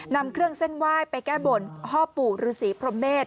นำเครื่องเส้นไหว้ไปแก้บนพ่อปู่ฤษีพรหมเมษ